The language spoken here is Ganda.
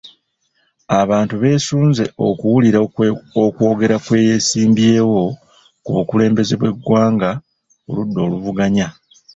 Abantu beesunze okuwulira okwogera kw'eyeesimbyewo ku bukulembeze bw'eggwanga ku ludda oluvuganya.